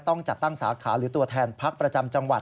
ต้องจัดตั้งสาขาหรือตัวแทนพักประจำจังหวัด